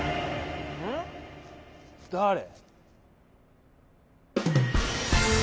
うん？だれ？